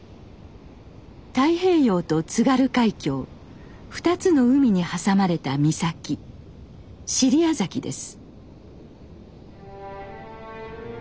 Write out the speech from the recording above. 太平洋と津軽海峡２つの海に挟まれた岬尻屋崎です。